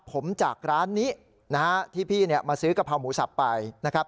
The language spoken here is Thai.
ผมจากร้านนี้ที่พี่มาซื้อกระเพาหมูสับไป